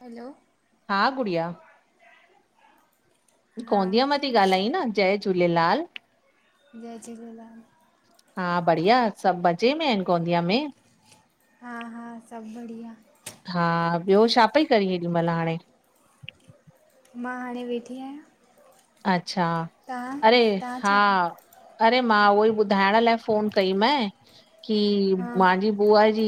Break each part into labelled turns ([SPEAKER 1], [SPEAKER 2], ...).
[SPEAKER 1] हलो
[SPEAKER 2] हा गुड़िया
[SPEAKER 1] हा
[SPEAKER 2] गोंदिया मां थी ॻाल्हाई न? जय झूलेलाल।
[SPEAKER 1] जय झूलेलाल!
[SPEAKER 2] हा बढ़िया, सभु मज़े में आहिनि गोंदिया में?
[SPEAKER 1] हा हा सभु बढ़िया।
[SPEAKER 2] हा ॿियो छा पई करी, हेॾी महिल हाणे?
[SPEAKER 1] मां हाणे वेठी आहियां।
[SPEAKER 2] अच्छा!
[SPEAKER 1] तव्हां
[SPEAKER 2] अरे
[SPEAKER 1] तव्हां
[SPEAKER 2] हा।
[SPEAKER 1] छा
[SPEAKER 2] अरे, मां उहोई ॿुधाइण लाइ फ़ोन कई माए की
[SPEAKER 1] हा
[SPEAKER 2] मांजी बुआ जी,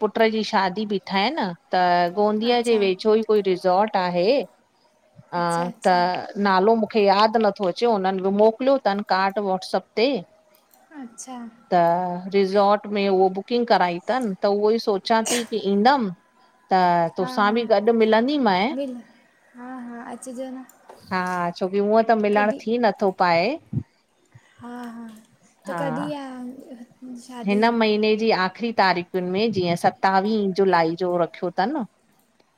[SPEAKER 2] पुट जी शादी बीठा आईन त, गोंदिअ जे
[SPEAKER 1] अच्छा
[SPEAKER 2] वेझो ई पो कोई रिसोर्ट आहे,
[SPEAKER 1] अच्छा
[SPEAKER 2] त
[SPEAKER 1] अच्छा
[SPEAKER 2] नालो मु मूंखे यादि नथो अचे। उन्हनि बि मोकिलियो थनि कार्ड व्हाट्सप ते।
[SPEAKER 1] अच्छा
[SPEAKER 2] त रिसोर्ट में उहो बुकिंग कराई थनि, त उहो ई सोचां थी की ईंदमि। त
[SPEAKER 1] हा
[SPEAKER 2] तोसां
[SPEAKER 1] हा
[SPEAKER 2] बि गॾु मिलंदी मांइ।
[SPEAKER 1] मिल हा हा, अचजो न।
[SPEAKER 2] हा छोकी हुअं त मिलण
[SPEAKER 1] कॾहिं
[SPEAKER 2] थी नथो पाए।
[SPEAKER 1] हा हा त
[SPEAKER 2] हा
[SPEAKER 1] कॾी आ?
[SPEAKER 2] हिन महीने जी आख़िरी तारीख़ुनि में जीअं सतावीह जुलाई, जो रखियो थनि।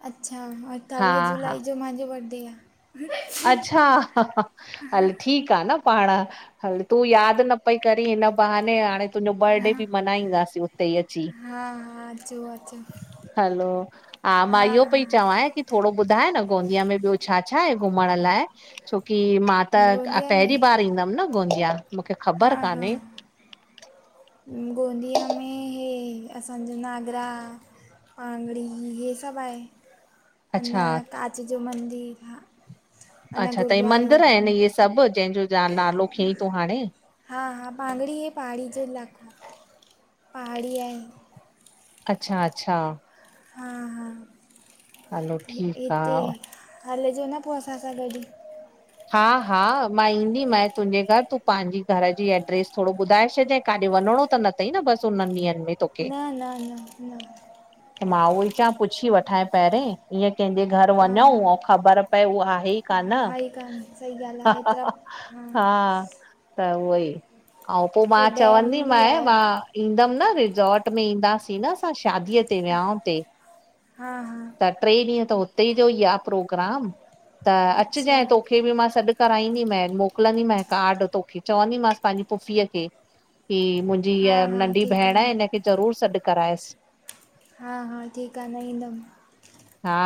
[SPEAKER 1] अच्छा अठावीह
[SPEAKER 2] हा
[SPEAKER 1] जुलाई जो मांजो बर्डे आ।
[SPEAKER 2] अच्छा! हल ठीकु आ न पाण। हल तूं याद न पई कर हिन बहाने हाणे तुंहिंजो
[SPEAKER 1] हा
[SPEAKER 2] बर्डे बि मनहाईंदासीं उते ई अची।
[SPEAKER 1] हा। हा अचो अचो
[SPEAKER 2] हलो! हा मां इहो पई चवाई की थोड़ो ॿुधाए न गोंदिया में ॿियो छा छा आहे घुमण लाइ? छोकी मां त
[SPEAKER 1] गोंदिया में
[SPEAKER 2] पहिरीं बार ईंदमि न गोंदिया। मूंखे
[SPEAKER 1] हा
[SPEAKER 2] ख़बर
[SPEAKER 1] हा
[SPEAKER 2] कान्हे
[SPEAKER 1] गोंदिया में हे असांजो नागरा। आंगड़ी हे सभु आए। अञा
[SPEAKER 2] अच्छा
[SPEAKER 1] कांच जो मंदिरु हा अञा
[SPEAKER 2] अच्छा त ह
[SPEAKER 1] गुरुद्वारो
[SPEAKER 2] मंदिर आहिनि इहे सभु जंहिंजो ज नालो खई तूं हाणे?
[SPEAKER 1] हा हा भांगड़ी हे पहाड़ी जो इलाइको पहाड़ी आहे।
[SPEAKER 2] अच्छा अच्छा
[SPEAKER 1] हा हा
[SPEAKER 2] हलो ठीकु
[SPEAKER 1] हिते
[SPEAKER 2] आहे
[SPEAKER 1] हलजो न पोइ असां सां गॾु।
[SPEAKER 2] हा हा मां ईंदी मैइ तुंहिंजे घरु तूं पंहिंजी घर जी एड्रेस थोड़ो ॿुधाए छॾांइ काॾे वञिणो त न थई न बसि हुनननि ॾींहंनि में? तोखे
[SPEAKER 1] न न न न
[SPEAKER 2] मां उहो ई च पुछी वठां पहिरियोें ईअं कंहिंजे घर
[SPEAKER 1] हा
[SPEAKER 2] वञूं ऐं ख़बर पए उहा आहे हन
[SPEAKER 1] हा ई कान सही ॻाल्हि आहे हेतिरा
[SPEAKER 2] हा त उहो ई अऊं पो मां
[SPEAKER 1] पोइ डैम
[SPEAKER 2] चवंदी
[SPEAKER 1] बि
[SPEAKER 2] मइ
[SPEAKER 1] आहे
[SPEAKER 2] मां ईंदमि न रिजोर्ट में ईंदासीं न असां शादीअ ते विहाऊं ते।
[SPEAKER 1] हा हा
[SPEAKER 2] त ट्रे ॾींअ त उते जो ई आ प्रोग्राम त
[SPEAKER 1] अच्छा
[SPEAKER 2] अचजैंअ तूं- तोखे बि मां सॾु कराईंदी मैइ मोकिलंदी मैइ कार्ड तोखे चवंदीमांस पंहिंजी फुफीअ खे। की मुंहिंजी
[SPEAKER 1] हा
[SPEAKER 2] हीअ
[SPEAKER 1] हा
[SPEAKER 2] नंढी
[SPEAKER 1] ठीकु
[SPEAKER 2] भेण आहे
[SPEAKER 1] न।
[SPEAKER 2] हिनखे ज़रूर सॾु करायसि।
[SPEAKER 1] हा हा ठीकु आ न ईंदमि।
[SPEAKER 2] हा,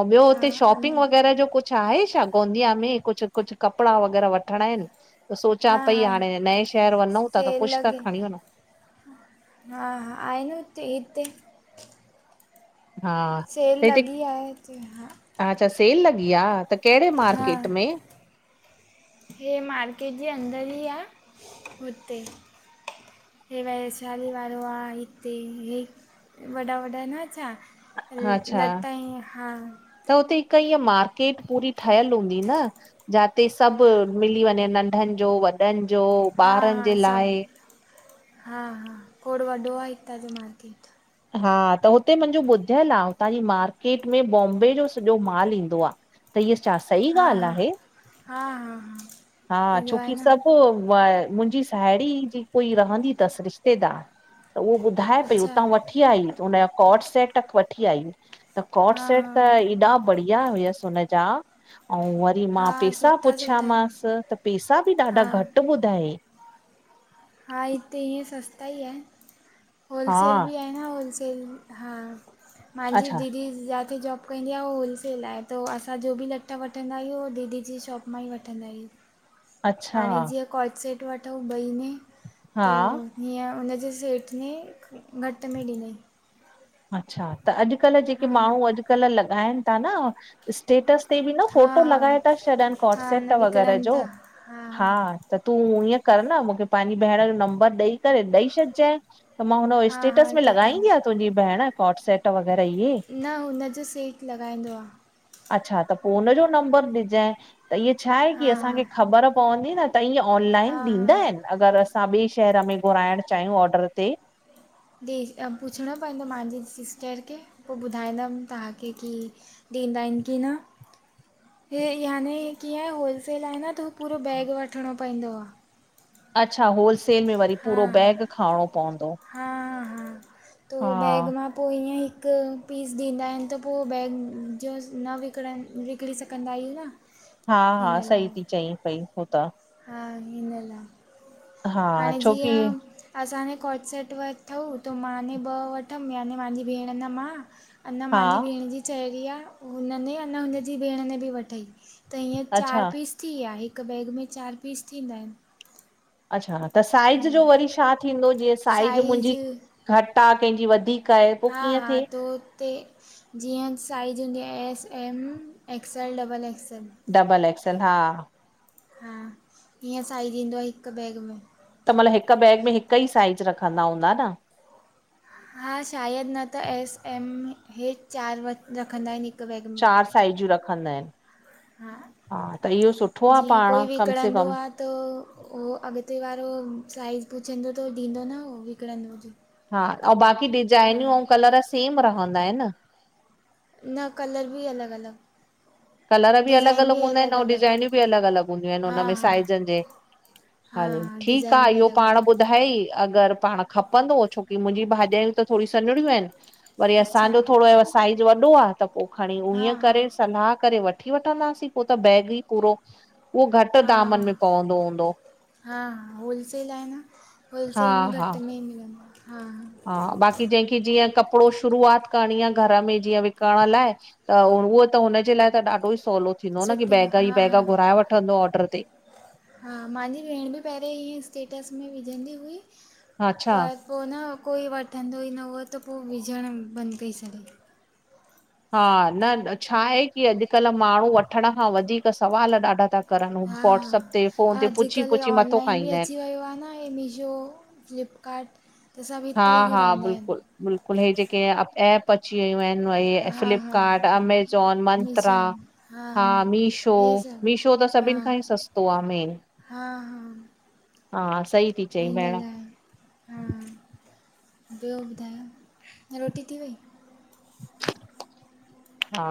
[SPEAKER 2] अऊं ॿियो
[SPEAKER 1] हा
[SPEAKER 2] हुते
[SPEAKER 1] अन
[SPEAKER 2] शॉपिंग वग़ैरह जो कुझु आहे छा गोंदिया में कुझु कुझु कपिड़ा वग़ैरह वठिणा आहिनि। त सोचां
[SPEAKER 1] हा
[SPEAKER 2] पई
[SPEAKER 1] हा
[SPEAKER 2] हाणे नहे शहर वनञूं था त
[SPEAKER 1] सेल
[SPEAKER 2] कुझु त
[SPEAKER 1] लॻे
[SPEAKER 2] खणी वन्नु।
[SPEAKER 1] हा, हा, आहे न ते हिते
[SPEAKER 2] हा
[SPEAKER 1] सेल
[SPEAKER 2] त हिते
[SPEAKER 1] लॻी आहे हिते हा
[SPEAKER 2] अच्छा सेल लॻी आह। त कहिॾे
[SPEAKER 1] हा
[SPEAKER 2] मार्केट में?
[SPEAKER 1] हे मार्केट जे अंदर ई आह, हुते। हे वैशाली वारो आह हिते, हे वॾा वॾा न छा।
[SPEAKER 2] अच्छा
[SPEAKER 1] लतई हा।
[SPEAKER 2] त हुते हिक ईअ मार्केट पूरी ठहियलु हूंदी न? जाते सभु मिली वञे, नंढनि जो, वॾनि जो
[SPEAKER 1] हा
[SPEAKER 2] ॿारनि
[SPEAKER 1] हा
[SPEAKER 2] जे
[SPEAKER 1] सभु
[SPEAKER 2] लाइ।
[SPEAKER 1] हा, हा खोॾ वॾो आहे हितां जो मार्केट
[SPEAKER 2] हा त हुते मुंहिंजो ॿुधियल आहे हुतां जी मार्केट में बॉम्बे जो सॼो माल ईंदो आह। त इीअ छा सही
[SPEAKER 1] हा
[SPEAKER 2] ॻाल्हि
[SPEAKER 1] हा
[SPEAKER 2] आहे?
[SPEAKER 1] हा, हा, हा।
[SPEAKER 2] हा,
[SPEAKER 1] ईंदो आहे
[SPEAKER 2] छोकी
[SPEAKER 1] न
[SPEAKER 2] सभु पोइ मुंहिंजी साहेड़ी जी कोई रहंदी थसि रिश्तेदार त उहो ॿुध ॿुधाए पई
[SPEAKER 1] अच्छा
[SPEAKER 2] उतां वठी आई हुनजा कॉड सेट, वठी आई त कोट
[SPEAKER 1] हा
[SPEAKER 2] सेट
[SPEAKER 1] हा
[SPEAKER 2] त एॾा बढ़िया हुयसि हुन जा, ऐं [unintelligible] मां
[SPEAKER 1] हा
[SPEAKER 2] पैसा
[SPEAKER 1] सुठा सुठा आहिनि
[SPEAKER 2] पुछियामांसि त पैसा बि ॾाढा
[SPEAKER 1] हा
[SPEAKER 2] घटि ॿुधायंइ।
[SPEAKER 1] हा हिते ईअं सस्ता ई आहे
[SPEAKER 2] हा
[SPEAKER 1] होलसेल बि आहि होलसेल, हा मांजी
[SPEAKER 2] अच्छा
[SPEAKER 1] दीदी जॉ कंदी आहे उह होलसेल आहे, त असां जो बि लटा वठंदा आहियूं उह दीदी जी शॉप मां ई वठंदा आहियूं।
[SPEAKER 2] अच्छा
[SPEAKER 1] हाणे जीअं कोच सेट वठूं ॿई में
[SPEAKER 2] हा
[SPEAKER 1] त हीअं हुनजे सेठ ने घटि में ॾिनई
[SPEAKER 2] अच्छा त अॼुकल्ह जेके
[SPEAKER 1] हा
[SPEAKER 2] माण्हू अॼुकल्ह लॻाइनि था न स्टेटस ते बि न
[SPEAKER 1] हा
[SPEAKER 2] फ़ोटो
[SPEAKER 1] हा
[SPEAKER 2] लॻाए था छॾनि
[SPEAKER 1] हा
[SPEAKER 2] क्ॉट्सेट
[SPEAKER 1] न
[SPEAKER 2] वग़ैरह
[SPEAKER 1] विकिणनि
[SPEAKER 2] जो
[SPEAKER 1] था
[SPEAKER 2] हा त तूं ईअं कर न मूंखे पंहिंजी भेण जो नंबर ॾेई करे ॾेई छॾज त मां हुनो
[SPEAKER 1] हा हा
[SPEAKER 2] स्टेटस
[SPEAKER 1] हा
[SPEAKER 2] में
[SPEAKER 1] ठीकु
[SPEAKER 2] लॻाईंदी आहे तुंहिंजी भेण कोट सेट वग़ैरह इहे
[SPEAKER 1] न हुनजो सेठ लॻाईंदो आह।
[SPEAKER 2] अच्छा त पोइ हुनज जो नंबर ॾिजाए त इअ छाहे
[SPEAKER 1] हा
[SPEAKER 2] की
[SPEAKER 1] हा
[SPEAKER 2] असांखे ख़बर पवंदी न त ईअं ऑनलाइन
[SPEAKER 1] हा
[SPEAKER 2] ॾींदा
[SPEAKER 1] हा
[SPEAKER 2] आहिनि अगरि असां ॿिए शहर में घुराइणु चाहियूं ऑडर ते?
[SPEAKER 1] कें पुछिणो पवंदो मांजी सिस्टर खे पोइ, ॿुधाईंदमि तव्हांखे की ॾिन्दा आहिनि की न? हे याने कीअं होलसेल आहे न त पूरो बैग वठिणो पवंदो आह।
[SPEAKER 2] अच्छा होलसेल में वरी
[SPEAKER 1] हा
[SPEAKER 2] पूरो बैग खणणो पवंदो।
[SPEAKER 1] हा, हा, त
[SPEAKER 2] हा
[SPEAKER 1] बैग मां पोइ ईअं हिकु पीस ॾींदा आहिनि त पोइ बैग जो न विकिणणु विक किणी सघंदा आहियूं न।
[SPEAKER 2] हा,
[SPEAKER 1] हिन
[SPEAKER 2] हा सही
[SPEAKER 1] लाइ
[SPEAKER 2] थी चई पई हू त।
[SPEAKER 1] हा हिन लाइ,
[SPEAKER 2] हा
[SPEAKER 1] हाणे
[SPEAKER 2] छोकी
[SPEAKER 1] जीअं असां ने कॉट् सेट वरठऊूं त मां ने ॿ वठमि याने मुंहिंजी भेण न मां अना
[SPEAKER 2] हा
[SPEAKER 1] मांजी भेण जी चएरी आह, हुन ने अने हुनजी भेण ने बि वठे त हीअं
[SPEAKER 2] अच्छा
[SPEAKER 1] चारि पीस थी विया हिक बैग में चारि पीस थींदा आहिनि।
[SPEAKER 2] अच्छा त साइज़ जो वरी छा थींदो जीअं साइज़
[SPEAKER 1] साइज
[SPEAKER 2] मुंहिंजी घटि आह, कंहिंजी वधीक। आहे पो
[SPEAKER 1] हा,
[SPEAKER 2] कीअं
[SPEAKER 1] हा,
[SPEAKER 2] थिए
[SPEAKER 1] तो ते जीअं साइज हूंदी आहे, एस, एम, एक्स ल डबल एक्सल
[SPEAKER 2] डबल एक्सल, हा
[SPEAKER 1] हा हअं, साइज़ ईंदो आहे, हिकु बैग में
[SPEAKER 2] त मतलब हिक बैग में, हिक ई साइज, रखंदा हूंदा, न
[SPEAKER 1] हा शायदि, न त एस, एम हे चारि, रखंदा आहिनि, हिकु
[SPEAKER 2] चारि साइज़ूं, रखंदा आहिनि। हा, त इहो सुठो आहे,
[SPEAKER 1] जीअं कोई
[SPEAKER 2] पाण, कम से
[SPEAKER 1] विकिणंदो
[SPEAKER 2] कम
[SPEAKER 1] आहे त उहो अॻिते वारो, साइज़ पुछंदो, त ॾींदो न उहो, विकिणंदो, हुजे
[SPEAKER 2] हा। ऐं बाक़ी डिजाइनियूं, ऐं कलर, सेम रहंदा आहिनि।
[SPEAKER 1] न कलर, बि अलॻि अलॻि
[SPEAKER 2] कलर, बि अलॻि अलॻि हूंदा आहिनि, ऐं डिज़ाइनियूं, बि अलॻि अलॻि हूंदियूं आहिनि,
[SPEAKER 1] हा
[SPEAKER 2] हुनन में
[SPEAKER 1] हा
[SPEAKER 2] साइज़नि, जे
[SPEAKER 1] हा
[SPEAKER 2] हल
[SPEAKER 1] हा
[SPEAKER 2] ठीकु,
[SPEAKER 1] डिज़ाइन
[SPEAKER 2] आहे,
[SPEAKER 1] बि
[SPEAKER 2] इहो
[SPEAKER 1] अलॻि
[SPEAKER 2] पाण
[SPEAKER 1] अलॻि
[SPEAKER 2] ॿुधाई, अगरि, पाण खपंदो, छोकी मुंहिंजी भाॼायूं, त थोरी सन्हड़ियूं आहिनि। वरी,
[SPEAKER 1] अच्छा
[SPEAKER 2] असांजो थोरो साइज वॾो आहे, त पोइ खणी,
[SPEAKER 1] हा
[SPEAKER 2] ईअं
[SPEAKER 1] हा
[SPEAKER 2] करे सला करे वठी वठंदासीं, पोइ त बैग ई पूरो, उहो घटि,
[SPEAKER 1] हा
[SPEAKER 2] पैसन में
[SPEAKER 1] हा
[SPEAKER 2] पवंदो हूंदो।
[SPEAKER 1] हा, होलसेल आहे न,
[SPEAKER 2] हा
[SPEAKER 1] होलसेल में
[SPEAKER 2] हा
[SPEAKER 1] घटि, में मिलंदो, हा हा
[SPEAKER 2] हा बाक़ी जंहिंखे, जीअं कपिड़ो शुरुूआति, करिणी आहे, घर में जीअं विकण, लाइ त उहो, त हुनजे लाइ त ॾाढो, ई सवलो थींदो, न की
[SPEAKER 1] सुठो
[SPEAKER 2] बैग
[SPEAKER 1] आहे।
[SPEAKER 2] ई
[SPEAKER 1] हा हा
[SPEAKER 2] बैग, घुराए वठंदो ऑडर, ते
[SPEAKER 1] हा, मुंहिंजी भेण बि, पहिरेंं ईीअं स्टेटस, में विझंदी हुई,
[SPEAKER 2] अच्छा
[SPEAKER 1] पर पोइ, न कोई वठंदो ई न हुओ, त पोइ विझण बंदि, करे सघे
[SPEAKER 2] हा, न छा आहे, की अॼुकल्ह माण्हू, वठण खां वधीक, सवाल ॾाढा, था करनि
[SPEAKER 1] हा,
[SPEAKER 2] व्हाट्सअप ते फोन
[SPEAKER 1] हा
[SPEAKER 2] ते पुछी
[SPEAKER 1] अॼुकल्ह
[SPEAKER 2] पुछी मथो
[SPEAKER 1] ऑनलाइन, बि
[SPEAKER 2] खाईंदा आहिनि
[SPEAKER 1] अची, वियो आहे न ऐं मीशो, फ्लिपकार्ट, त सभां बि
[SPEAKER 2] हा
[SPEAKER 1] हितां ई
[SPEAKER 2] हा
[SPEAKER 1] घुराईंदा, आहिनि
[SPEAKER 2] बिल्कुलु बिल्कुलु, हे जेके ऐप अची वयूं आहिनि,
[SPEAKER 1] हा हा
[SPEAKER 2] फलिपकार्ट, अमेज़ॉन, मंत्रा, हा मीशो
[SPEAKER 1] हे
[SPEAKER 2] मीशो, त
[SPEAKER 1] सभु हा
[SPEAKER 2] सभिनि खां ई सस्तो, आहे मेन
[SPEAKER 1] हा, हा
[SPEAKER 2] हा, सई
[SPEAKER 1] हिन लाइ, हा ॿियो, ॿुधायो, रोटी थी वेई?
[SPEAKER 2] हा,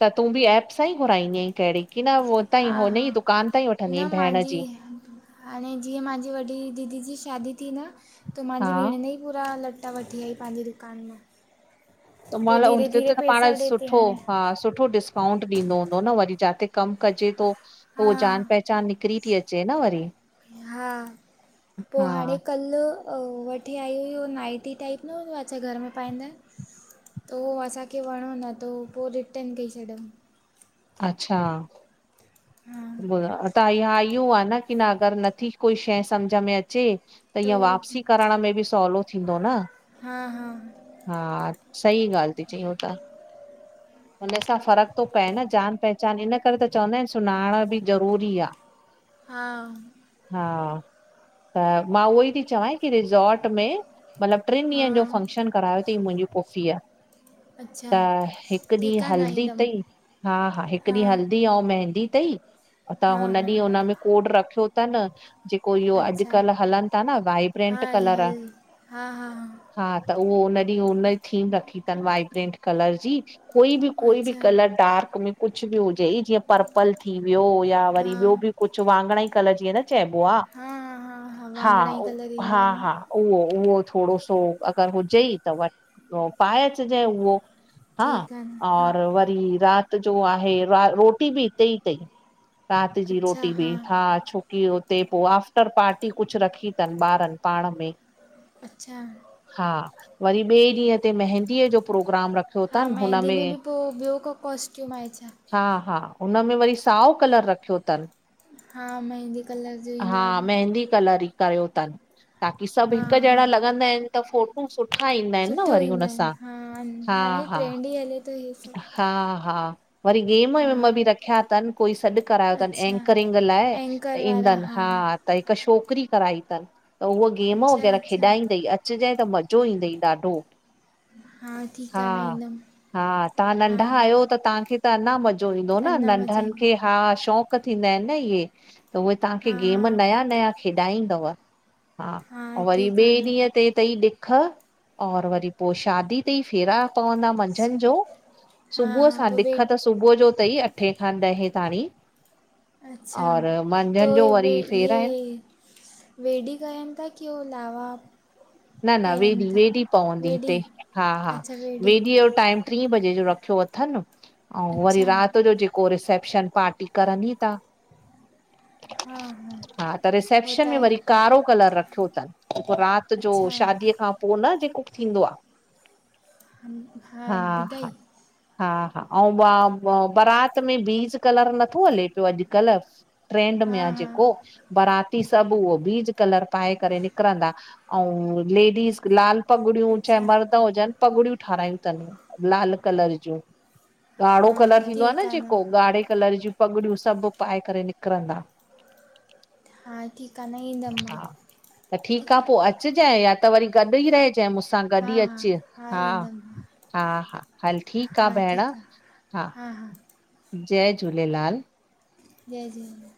[SPEAKER 2] त तूं बि, ऐएप सां ई घुराईंदीअ आहीं, कहिड़ी केडन हितां, हुताई
[SPEAKER 1] हा
[SPEAKER 2] ई
[SPEAKER 1] हा
[SPEAKER 2] हुनजी दुकान, ताईं वठंदी
[SPEAKER 1] न
[SPEAKER 2] आहीं, ठहण,
[SPEAKER 1] मुंहिंजी
[SPEAKER 2] जी
[SPEAKER 1] हाणे जीअं, मुंहिंजी वॾी दीदी, जी शादी थी, न त मुंहिंजी
[SPEAKER 2] हा
[SPEAKER 1] भेण, जी पूरा, लटा वठी आई, पंहिंजी दुकानु, मां
[SPEAKER 2] त ओ,
[SPEAKER 1] पोइ
[SPEAKER 2] माल
[SPEAKER 1] धीरे धीरे
[SPEAKER 2] त पाण
[SPEAKER 1] पैसा ॾिए थी
[SPEAKER 2] सुठो,
[SPEAKER 1] हाणे
[SPEAKER 2] हा सुठो डिस् डिस्काऊंट, ॾींदो हूंदो न वरी, जिाते कमु कजे थो। पोइ, जान
[SPEAKER 1] हा
[SPEAKER 2] पहचान, निकिरी थी अचे न वरी,
[SPEAKER 1] हा पोइ हाणे
[SPEAKER 2] हा
[SPEAKER 1] कल्ह वठी आई हुई, नाइटी टाइप न छा? घर, में पाईंदा आहिनि, त हो, असांखे वणो, न त पोइ वापिस डई छॾियो।
[SPEAKER 2] अच्छा,
[SPEAKER 1] हू,
[SPEAKER 2] त हा, ईहो आहे न, की न अगरि नथी कोई शइ, सम्झ में अचे त, हीअ
[SPEAKER 1] उहो ज-
[SPEAKER 2] वापसी करण, में बि सवलो, थींदो न
[SPEAKER 1] हा हा
[SPEAKER 2] हा, सही ॻाल्हि, थी चई ऊहो त हुनसां फ़र्क थो पए, न जान पहचान, इन करे त चवंदा आहिनि, सुञाण बि ज़रूरी आ।
[SPEAKER 1] हा
[SPEAKER 2] हा, त मां उहोई ती चंवंइ कि रिजार्ट में, मतलब ट्रिन
[SPEAKER 1] हा
[SPEAKER 2] ॾींहंन जो फंक्शन करायो तईं, मुंजी पुफ़ीअ।
[SPEAKER 1] अच्छा
[SPEAKER 2] त हिक ॾींह,
[SPEAKER 1] ठीकु आहे न
[SPEAKER 2] हल्दी तई।
[SPEAKER 1] ईंदमि
[SPEAKER 2] हा हा, हिक ॾींह हल्दी औं मेंहदी तई। त,
[SPEAKER 1] हा
[SPEAKER 2] हुन
[SPEAKER 1] हा
[SPEAKER 2] ॾींह हुनमें, कोड रखयो तन। जेको इहो
[SPEAKER 1] अच्छा
[SPEAKER 2] अॼकल्ह हलन था न
[SPEAKER 1] हा
[SPEAKER 2] वाइब्रेंट
[SPEAKER 1] हे
[SPEAKER 2] कलर।
[SPEAKER 1] हल हा हा
[SPEAKER 2] हा त, उहो उन ॾींह उन जी थीम रखी तन, वाइब्रेंट कलर जी। कोई बि कोई बि
[SPEAKER 1] अच्छा
[SPEAKER 2] कलर डार्क में, कुछ बि हुजई, जीअं पर्पल थी व्यो, या
[SPEAKER 1] हा
[SPEAKER 2] वरी ॿियो बि कुछ वाॻणाई कलर जीअं न चैबो आ,
[SPEAKER 1] हा हा हा
[SPEAKER 2] हा
[SPEAKER 1] वाङणाई
[SPEAKER 2] हो,
[SPEAKER 1] कलर ईंदो
[SPEAKER 2] हा
[SPEAKER 1] आहे न
[SPEAKER 2] हा उहो उहो थोड़ो सो अगर हुजई त वरी पाए अचजैं उहो। हा,
[SPEAKER 1] ठीकु आहे न हा
[SPEAKER 2] और व -री रात जो आहे रोटी बि इते ई तई। रात जी रोटी बि, हा छोकी हुते पो आफ्टर पार्टी कुछ रखी तन ॿारन। पाण में।
[SPEAKER 1] अच्छा
[SPEAKER 2] हा, वरी ॿे ॾींहं ते मेहदीअ जो प्रोग्राम रखयो तन हुन
[SPEAKER 1] -दीे में बि, पो ॿियो को? कॉस्ट्यूम आहे छा?
[SPEAKER 2] हा हा, उन में वरी, साओ कलर रखयो तन।
[SPEAKER 1] हा मेंहदी कलर जो ईंदो आहे
[SPEAKER 2] हा,
[SPEAKER 1] जो।
[SPEAKER 2] मेहंदी कलर ई। कयो तन, ताकी सभ
[SPEAKER 1] हा
[SPEAKER 2] हिक
[SPEAKER 1] हा
[SPEAKER 2] जहिड़ा लॻंदा एन त फोट फ़ोटू सुठा ईंदा एन, न
[SPEAKER 1] सुठो
[SPEAKER 2] वरी हुन
[SPEAKER 1] ईंदा आहिनि
[SPEAKER 2] सां, हा
[SPEAKER 1] हाणे
[SPEAKER 2] हा!
[SPEAKER 1] ट्रेंड ई हले थो इहे सभु
[SPEAKER 2] हा हा, वरी गेम वेम
[SPEAKER 1] हा
[SPEAKER 2] बि रखया तन कोई सॾ करायो तन,
[SPEAKER 1] अच्छा
[SPEAKER 2] एंकरिंग लाइ, त ईंदन, हा त हिक छोकरी कराई तन, त हूअ गेम
[SPEAKER 1] अच्छा
[SPEAKER 2] वग़ैरह
[SPEAKER 1] अच्छा
[SPEAKER 2] खेॾाईंदई। अचजइं त मज़ो ईंदई ॾाढो।
[SPEAKER 1] हा ठीक आ, न ईंदम।
[SPEAKER 2] हा, तहां नंढ़ा आयो, त तहांखे त अञा मज़ो ईंदो न
[SPEAKER 1] अञा मज़े
[SPEAKER 2] नंढन
[SPEAKER 1] ईंदो
[SPEAKER 2] हा, शौक़ थींदा आइन न इहे, त उहे तहांखे
[SPEAKER 1] हा
[SPEAKER 2] गेम
[SPEAKER 1] हा
[SPEAKER 2] नया नया खेॾाईंदव। हा पो वरी
[SPEAKER 1] ठीकु
[SPEAKER 2] ॿे
[SPEAKER 1] आहे न
[SPEAKER 2] ॾींहं ते तई ॾिख, और वरी पो शादी तई, फेरा। औं न, मंझन जो
[SPEAKER 1] हा
[SPEAKER 2] सुभूअ
[SPEAKER 1] हा
[SPEAKER 2] सां
[SPEAKER 1] पोइ
[SPEAKER 2] ॾिख
[SPEAKER 1] वेट
[SPEAKER 2] त सुबूह जो तई अठें खां ॾहें तांणी।
[SPEAKER 1] अच्छा! तो
[SPEAKER 2] जो
[SPEAKER 1] ये
[SPEAKER 2] वरी फेरा आहिनि
[SPEAKER 1] वेॾी करन ता, की ओ लावा?
[SPEAKER 2] न न,
[SPEAKER 1] कनि
[SPEAKER 2] वेॾी,
[SPEAKER 1] था
[SPEAKER 2] वेॾी पवंदी हिते,
[SPEAKER 1] वेॾी
[SPEAKER 2] हा हा,
[SPEAKER 1] अच्छा वेॾी
[SPEAKER 2] वेॾीअ जो टाइम ट्रीं बजे जो रखयो अथन, औं वरी
[SPEAKER 1] अच्छा
[SPEAKER 2] रात जो जे को, रिसेप्शन पार्टी करन ही ता। हा त, रिसेप्शन
[SPEAKER 1] होता
[SPEAKER 2] में
[SPEAKER 1] है
[SPEAKER 2] वरी कारो कलर रखयो तन, पो रात जो,
[SPEAKER 1] अच्छा
[SPEAKER 2] शादीअ खां पो, न जेको थींदो आ। हा हा हा हा, औं, बारात मे बीन्स कलर नथो हले प्यो अॼकल्ह ट्रेंड में
[SPEAKER 1] हा
[SPEAKER 2] आ
[SPEAKER 1] हा
[SPEAKER 2] जेको, बाराती सभु उहो बीज कलर पाए करे निकिरंदा। अऊं लेडीस लाल पगड़ियूं चाहे
[SPEAKER 1] अच्छा
[SPEAKER 2] मर द हुजनि पगड़ियूं ठारायूं तनि लाल कलर जो ॻाड़ो
[SPEAKER 1] हा
[SPEAKER 2] कलर थींदो आ
[SPEAKER 1] ठीकु
[SPEAKER 2] न
[SPEAKER 1] आहे
[SPEAKER 2] जेको ॻाढ़े कलर जी पगड़ियूं सभु पाए करे निकरंदा।
[SPEAKER 1] हा ठीकु आहे न ईंदमि मां
[SPEAKER 2] हा त ठीकु आ पो अच अचजांइ या त वरी गॾु ई रहिजांइ मूंसां गॾु ई
[SPEAKER 1] हा हा
[SPEAKER 2] अचु हा।
[SPEAKER 1] ईंदमि
[SPEAKER 2] हा -हा, हल ठीकु आ
[SPEAKER 1] हा
[SPEAKER 2] भेण
[SPEAKER 1] ठीकु
[SPEAKER 2] हा।
[SPEAKER 1] आहे
[SPEAKER 2] जय झूलेलाल।
[SPEAKER 1] जय झूलेलाल।